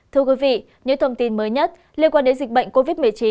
thưa quý vị những thông tin mới nhất liên quan đến dịch bệnh covid một mươi chín